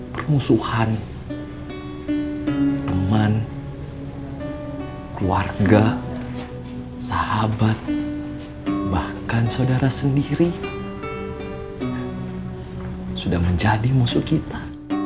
permusuhan teman keluarga sahabat bahkan saudara sendiri sudah menjadi musuh kita